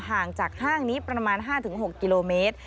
ห่างจากห้างนี้ประมาณ๕๖กิโลเมตร